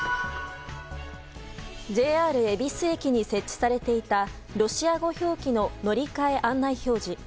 ＪＲ恵比寿駅に設定されていたロシア語表記の乗り換え案内表示。